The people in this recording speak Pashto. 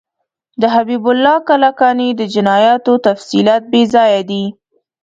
د حبیب الله کلکاني د جنایاتو تفصیلات بیځایه دي.